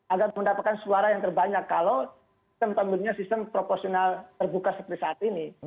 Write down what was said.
agar mendapatkan suara yang terbanyak kalau sistem pemilunya sistem proporsional terbuka seperti saat ini